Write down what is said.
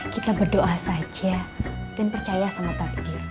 kita berdoa saja dan percaya sama takdir